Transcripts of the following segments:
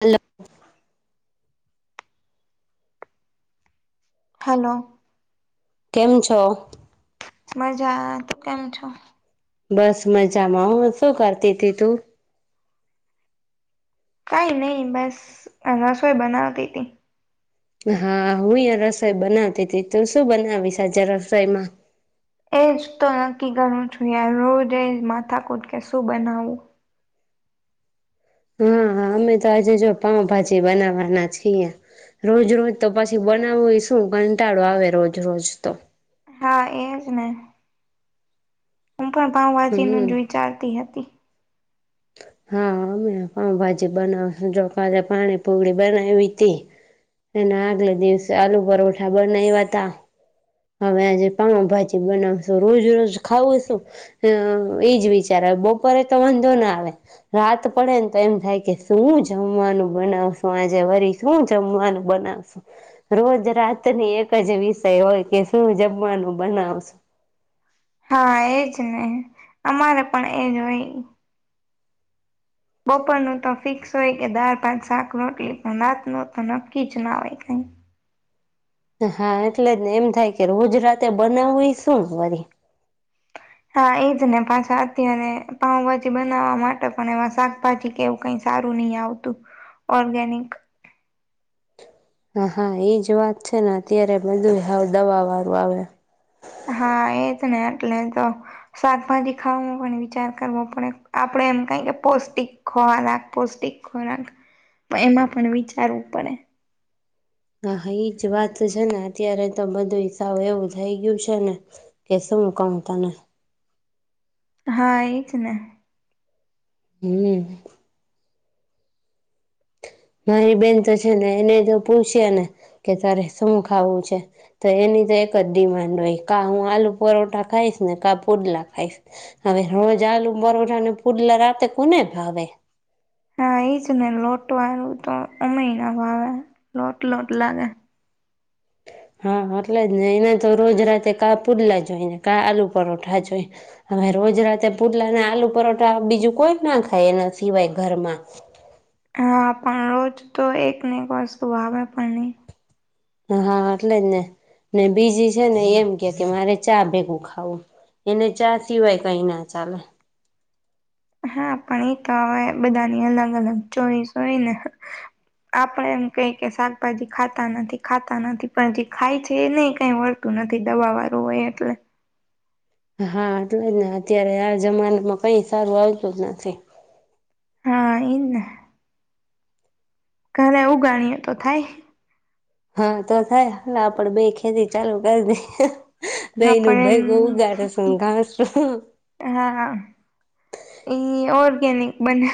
Hello. Hello. કેમ છો? મજા તું કેમ છો? બસ મજામાં હ શું કરતી હતી તું? કઈ નહી બસ રસોઈ બનાવતી હતી. હા હું અહીં રસોઈ બનાવતી હતી તું શું બનાવીશ આજે રસોઈમાં? એજ તો નક્કી કરવું છુ યાર રોજ એજ માથાકૂટ કે શું બનાવવું. હા અમે તો આજે જો પાઉભાજી બનાવવાના છીએ રોજ રોજ તો પછી બનાવવું શું કંટાળો આવે રોજ રોજ તો. હા એજ ને. હું પણ પાવભાજી નું હમ. જ વિચારતી હતી. હા અમે પાઉભાજી બનાવશું જો કાલે પાણી પુડી બનાયવી તી એના આગલે દિવસે આલુ પરોઠા બનાયવા તા. હવે આજે પાઉભાજી બનાવશું રોજ રોજ ખાવું શું એજ વિચાર આવે બપોરે તો વાંધો ના આવે રાત પડે ને તો એમ થાય કે શું જમવાનું બનાવશું આજે વરી શું જમવાનું બનાવશું રોજ રાતની એક જ વિષય હોય. કે શું જમવાનું બનાવશ. હા એજ ને અમારે પણ એજ હોય. બપોરનું તો ફિક્સ હોય કે દાર પાચ શાક રોટલી પણ રાતનું તો નક્કી જ ના હોય કઈ. હા એટલે જને એમ થાય કે રોજ રાતે બનાવુય શું વળી. હા એજ ને પાછા અત્યારે પાઉભાજી બનાવવા માટે પણ એમાં શાકભાજી કેવું કઈ સારું નહી આવતું ઓર્ગેનિક. હા હા એજ વાત છે ને અત્યારે બધું દવા વાળું આવે. હા એજ ને એટલે તો શાકભાજી ખાવામાં પણ વિચાર કરવો પડે આપડે એમ કઈ કે પૌષ્ટિક ખોરાક પૌષ્ટિક ખોરાક એમાં પણ વિચારવું પડે. હા હા એજ વાત છે ને અત્યારે તો બધુંસાવ એવું થઈ ગયું છે ને કે શું કઉું તને. હા એજ ને. હમ્મ. મારી બેન તો છે ને એને જો પૂછય ને કે તારે શું ખાવું છે તો એની તો એક જ ડિમાન્ડ હોય કા હું આલુ પરોઠા ખાઈશ ને કા પુડલા ખાઈશ હવે રોજ આલુ પરોઠાને પુડલા રાતે કોને ભાવે. હા એ જ ને લોટ વાળું તો અમેય ના ભાવે લોટ લોટ લાગે. હા એટલે જ ને એના તો રોજ રાતે કા પુડલા જોય ને કા આલુ પરોઠા જોઈ હવે રોજ રાતે પુડલા ને આલુ પરોઠા બીજું કોઈ ના ખાય એના સિવાય ઘરમાં. હા પણ રોજતો એકને એક વસ્તુ આવેે પણ નહી હા એટલે જ ને ને બીજી છેને એમકે કે મારે ચા ભેગું ખાવું એને ચા સિવાય કઈ ના ચાલે હા પણ એ તો હવે બધાની અલગ અલગ ચોઇસ હોય ને આપણે એમ કઈ કે શાકભાજી ખાતા નથી ખાતા નથી પણ જે ખાય છે એને કઈ વળતું નથી દવાવાળું હોય એટલે હા તો જ ને અત્યારે આ જમાનામાં કઈ સારું આવતું જ નથી હા ઇને ઘરે ઉગાણીએ તો થાય. હા તો થાય હ આપણે બે ખેતી ચાલુ કરી દે હા દહી નું પણ ભેગું ઉગાડે છે ને ઘાસ એમ હા હા એ ઓર્ગેનિક બને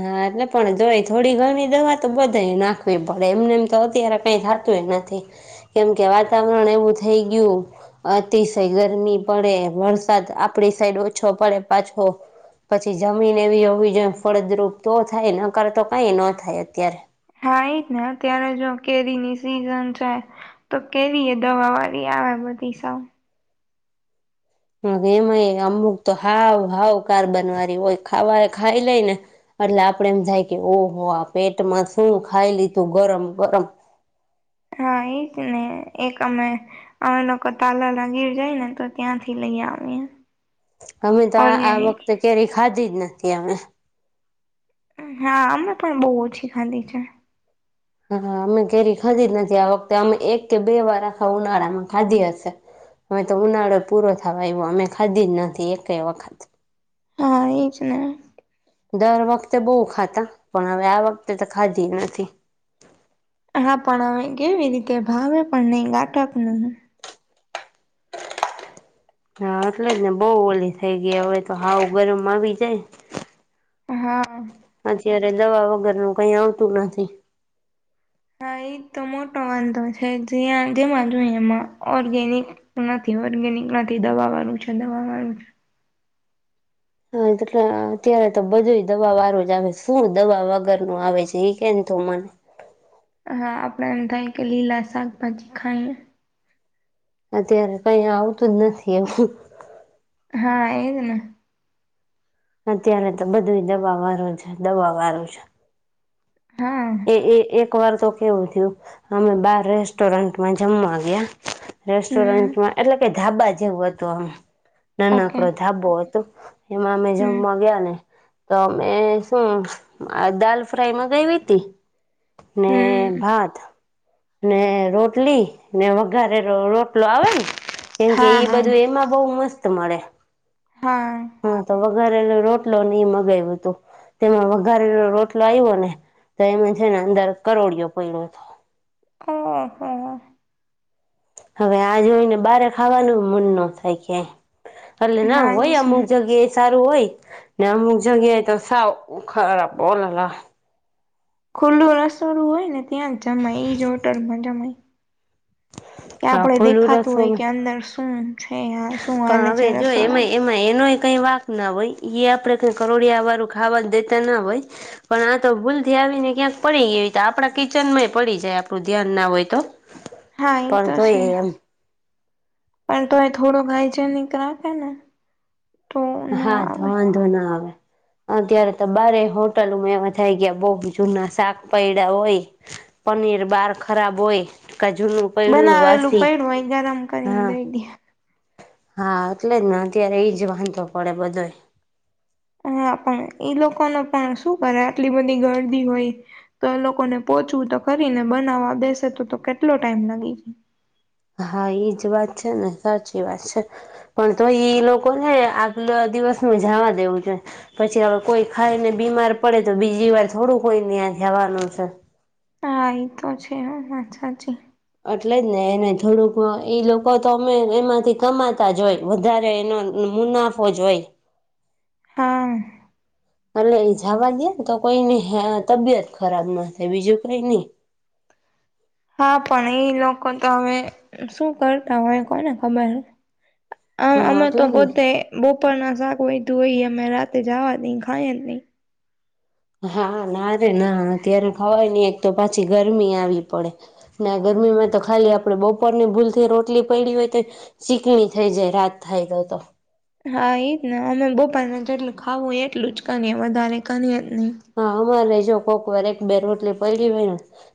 હા એટલે પણ તોય થોડી ઘણી દવા તો બધા નાખવી પડે એમને એમ તો અત્યારે કઈ થાતુંય નથી કેમકે વાતાવરણ એવું થઈ ગયું અતિશય ગરમી પડે વરસાદ આપડી સાઈડ ઓછો પડે પાછો પછી જમીન એવી હોવી જો ફળદરૂપ તો થાય નકર તો કઈ ન થાય અત્યારે આઈજને ત્યારે જો કેરી ની સિઝન છેય તો કેરી એ દવા વાળી આવે બધી સવ હ એમાંય અમુક તો હાવ હાવ કાર્બન વાળી હોય ખાવાય ખાવાય લઈને એટલે આપડે એમ થાય કે ઓહો આ પેટમાં શું ખાઈ લીધું ગરમ ગરમ હા એજ ને એક અમે અમે લોકો તાલાના ગીર જાયને તો ત્યાંથી લઈ આવીએ અમેતો આ આ ઓર્ગેનિક વખતે કેરી ખાધી જ [unintelligible] હા અમે પણ બહુ ઓછી ખાધી છે. હા અમે કેરી ખાધી જ નથી આ વખતે અમે એક કે બે વાર આખા ઉનાળામાં ખાધી હશે હવે તો ઉનાળો પૂરો થવા આવ્યો અમે ખાધી જ નથી એકય વખત હા એજને દર વખતે બહુ ખાતા પણ હવે આ વખતે તો ખાધીય નથી હા પણ હવે કેવી રીતે ભાવે પણ નહી [inaudible] હા એટલે જ ને બહુ ઓલી થઈ ગઈ હવે તો હાવ ગરમ આવી જાય હા. અત્યારે દવા વગરનું કઈ આવતું નથી હા ઈ તો મોટો વાંધો છે જ્યા જેમાં જોઈ એમાં ઓર્ગેનિક નથી ઓર્ગેનિક નથી દવા વાળું છે દવા વાળું છે હા એટલે અત્યારે તો બધુંય દવા વાળું જ આવે શું દવા વગરનું આવે છે એ કેને તું મને હા આપડે એમ થાય કે લીલા શાકભાજી ખાઈએ. અત્યારે કઈ આવતું જ નથી એવું. હા એજ ને. અત્યારે તો બધુંય દવા વાળું છે દવા વાળું છે. હા એ એ એક વાર તો કેવું થયું અમે બાર રેસ્ટોરન્ટમાં જમવા ગયા હમ રેસ્ટોરન્ટમાં એટલે કે ધાબા જેવું હતું આમ. ઓકે નાનકડો ધાબો હતો. એમાં અમે હમ જમવા ગયા ને તો અમે શું [unintelligible] આ દાલ ફ્રાયમાં મંગાઈ વીતી. [inaudible] ને હમ ભાત. ને રોટલી ને વધારેલો રોટલો આવેને. કેમ કે હા ઈ હા બધું એમાં બઉ મળે. હા. હા તો વઘારેલો રોટલો નહી મગાવ્યું તું તેમાં વઘારેલો રોટલો આવ્યો ને તો એમાં જેને અંદર કરોડિયો પડડ્યો હતો. હ હા. હવે આ જોઈને બારે ખાવાનું મન ન થાય કય. અલે ના હા હોય એજ અમુક ને જગ્યાએ. સારું હોય ને અમુક જગ્યાએ તો સાવ ખરાબ ઓલલા. ખુલ્લું રસળું હોય ને ત્યાં જમય ઇજ હોટલ મા જમય. કે હા આપડે ખુલ્લું દેખાતું હોય રસોડું કે અંદર હમ્મ. છે હા શું હાલે પણ હવે છે જો રસોડામાં. એમાં એમાં એનોય કઈ વાક ના હોય આપણે કઈ કરોડિયા વાળું ખાવાનું દેતા ના હોય પણ આ તો ભૂલથી આવીને ક્યાંક પડી ગય આપણા કિચન માંય પડી જાય આપડું ધ્યાન ના હોય તો. હા એ તો પણ છે. જોઈએ એમ પણ તો એ થોડું હાયગેનિક રાખે ને તો ન હા તો આવે વાંધો ન આવે. અત્યારે તો બારે હોટલોમાં એવા થાય ગયા બહુ જૂના શાક પૈડા હોય પનીર બહાર ખરાબ હોય. કા જૂનું પડ્યું બનાવેલું વાસી પયડુ હોય એ ગરમ કરી હા ને દઈ દે. હા એટલે જ ને અત્યારે એઈ જ વાંધો પડે બધો. હા પણ ઈ લોકોને પણ શું કરે આટલી બધી ગરદી હોય તો એ લોકોને પોહચવું તો ખરી ને બનાવવા બેસે તો તો કેટલો ટાઈમ લાગી. હા એઈજ વાત છે, ને સાચી વાત છે. પણ તો ઈ લોકોને આગલા દિવસ ન જવા દેવું જોઈ પછી હવે કોઈ ખાઈને બીમાર પડે તો બીજી વાર થોડું કોઈને ત્યાં જવાનું છે. હા એ તો છે હ વાત સાચી. એટલે જ ને એને થોડુંક એ લોકો તો અમે એમાંથી કમાતા જ હોય વધારે એનો મુનાફો જ હોય. હા. અ એ જવા દે ને તો કોઈની તબિયત ખરાબ ના થાય બીજું કઈ નઈ. હા પણ એ લોકો તો હવે શું કરતા હોય કોઈને ખબર. આમ હા અમે તો એટલે જ ને બધે બપર ના શાક વાધું હોય મે રાતે જવા નઈ ખાઈ જ નહી. હા ના ર ના અત્યારે ખવાય એક તો પાછી ગરમી આવી પડે, ગરમીમાં તો ખાલી આપડે બપોરની ભૂલથી રોટલી પડી હોય તો, ચીકણી થઈ જાય રાત થાય તો તો. હા એજ ને અમે બપાર ને જેટલું ખાવું હોય એટલું જ કરીએ વધારે કરી હા મહારજ જો કોકવાર એક બે રોટલી પલી વ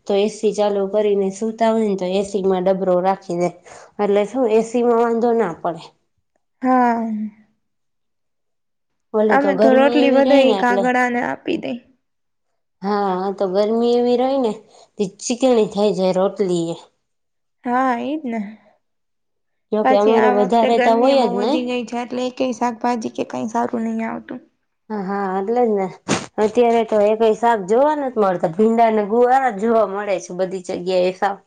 તો, એસી ચાલુ કરીને સુતા હોય ને તો એસી માં ડબરો રાખી દે, એટલે શું એસી માં વાંધો ના પડે. હા. ઓલું અમે તો ગરમી રોટલી એવી રહી વધા ને એટલે કાગળ ને આપ આપી દ. હા તો ગરમી એવી રહી ને ચીકણી થઈ જાય રોટલી એ. હા એ જને. જોકે પછી અમારે આ વખતે વધારેતા ગરમી એ હોય બહુ જ નહી વધી ગઈ છે એટલે એ ક શાકભાજી કે કઈ સારું નહી આવતું. હા હા એટલે જ ને, અત્યારે તો એ કઈ શાક જોવા ન મળતા ભીંડાને ગુવારા જોવા મળે છે બધી જગ્યા એ શાક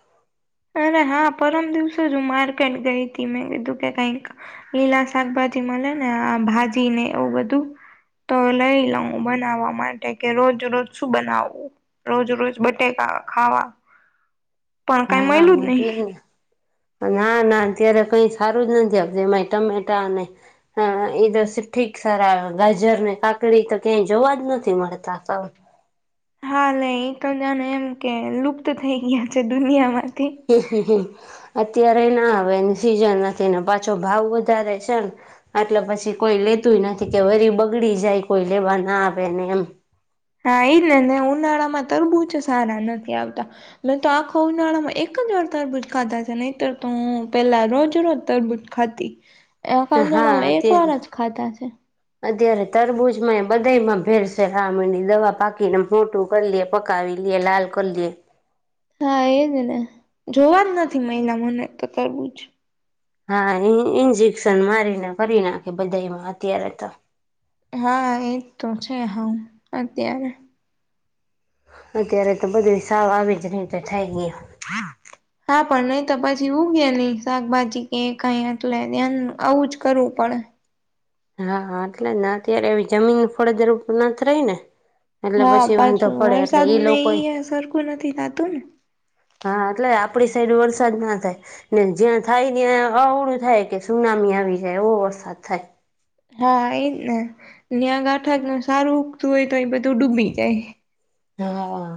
અરે હા પરમ દિવસે જ હું માર્કેટ ગઈ હતી મેં કીધું કે કઈક, લીલા શાકભાજી મળે ને આ ભાજી ને એવું બધું, તો લઈ લઉ બનાવવા માટે કે રોજ રોજ શું બનાવવું, રોજ રોજ બટેકા ખાવા. પણ કઈ હા મળ્યું જ હા. નહી. ના ના અત્યારે કઈ સારું જ નથી આપત એમાંય ટમેટા ને, એ તો સીઠીક સારા ગાજર ને કાકડી તો ક્યાંય જોવા જ નથી મળતા સાર. હા લ એક જાને એમ કે લુપ્ત થઈ ગયા છે દુનિયામાં. [unintelligible] અત્યારે ના આવેને સીઝન નથી ને પાછો ભાવ વધારે છે ને, એટલે પછી કોઈ લેતુંય નથી કે વરી બગડી જાય કોઈ લેવા ના આવે ને એમ. હા એઈ ને ને ઉનાળામાં તરબૂજ સારા નથી આવતા, હ તો આખો ઉનાળામાં એક જ વાર તરબૂજ ખાતા છે નહીતર તો હું પેલા રોજ રોજ તરબૂજ ખાતી. ખંંદળમાં હા એક તે વાર જ ખાતા છે. અત્યારે તરબૂજમાં એ બધા માં ભેરસે રામીની દવા પાકીને મોટું કરી લ પકાવી લેએ લાલ કરી લએ. હા એજ ને, જોવા જ નથી મહિલા મને તો કરવું જ. હા ઇન્જેકશન મારીને કરી નાખે બધામાં અત્યારે તો. હા એજ તો છે હ અત્યારે. અત્યારે તો બધું સાવ આવી જ નહી તો થાય ગઈ. હા પણ નહી તો પછી ઉગે નહી શાકભાજી કે કઈ એટલે ધ્યાન આવું જ કરવું પડે. હા એટલે અત્યારે એવી જમીન ફળદૃપ ના રહી ને. એટલે હા પછી વાંધો પાછું પડે એટલે ઈ વરસાદને લોકો એ સરખું નથી થતું ને. હા એટલે આપડી સાઈડ વરસાદ ના થાય, ને જ્યાં થાય ત્યાં અવડું થાય કે સુનામી આવી જાય એવો વરસાદ થાય. હા એ જ ને યા આ ગાંઠા જ ન સારું ઉગતું હોય તો એ બધું ડૂબી જાય. હા હા.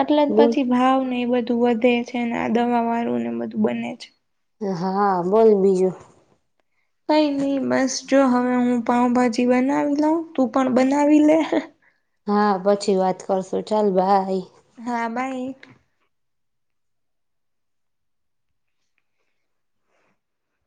એટલે જ બોલ પછી ભાવ ને એ બધા વધે છે ને આ દવા વાળું ને બધું બને છે. હા બોલ બીજું. કઈ નહી બસ જો હવે હું પાઉભાજી બનાવી લઉં તું પણ બનાવી લે. હા પછી વાત કરશું ચાલ બાઈ. હા બાઈ